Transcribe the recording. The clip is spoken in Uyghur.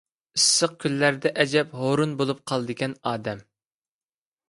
ئىسسىق كۈنلەردە ئەجەب ھۇرۇن بولۇپ قالىدىكەن ئادەم.